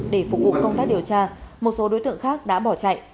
để phục vụ công tác điều tra một số đối tượng khác đã bỏ chạy